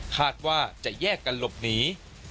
คาดว่าจะแยกกันหลบหนี